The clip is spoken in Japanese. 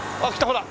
ほら！